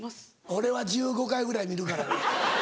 俺は１５回ぐらい見るからね。